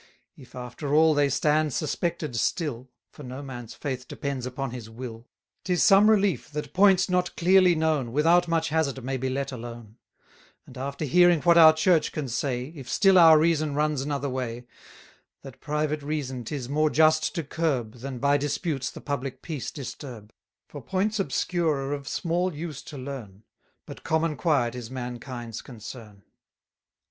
440 If, after all, they stand suspected still, (For no man's faith depends upon his will): 'Tis some relief, that points not clearly known, Without much hazard may be let alone: And after hearing what our Church can say, If still our reason runs another way, That private reason 'tis more just to curb, Than by disputes the public peace disturb. For points obscure are of small use to learn: But common quiet is mankind's concern.